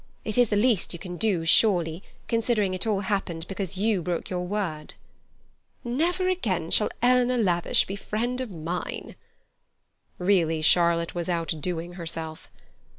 It is the least you can do, surely, considering it all happened because you broke your word." "Never again shall Eleanor Lavish be a friend of mine." Really, Charlotte was outdoing herself.